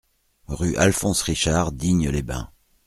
Rue Alphonse Richard, Digne-les-Bains